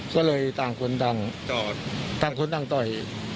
ก็เลยต่างคนต่างต่อย